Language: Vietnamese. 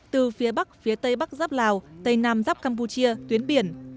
từ phía bắc phía tây bắc dấp lào tây nam dắp campuchia tuyến biển